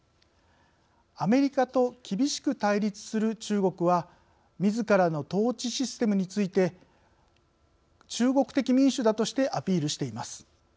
アメリカと厳しく対立する中国はみずからの統治システムについて「中国的民主」だとしてアピールしています。